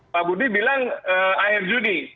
pak budi bilang akhir juni